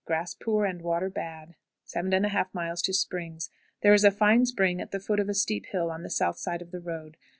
Grass poor and water bad. 7 1/2. Springs. There is a fine spring at the foot of a steep hill on the south side of the road.